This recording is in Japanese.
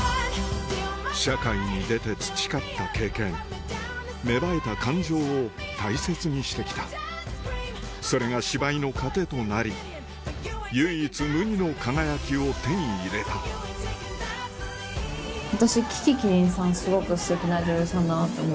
社会に出て培った経験芽生えた感情を大切にしてきたそれが芝居の糧となり唯一無二の輝きを手に入れた私。